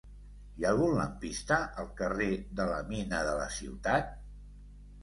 Hi ha algun lampista al carrer de la Mina de la Ciutat?